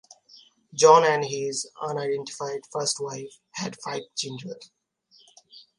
John and his unidentified first wife had five children.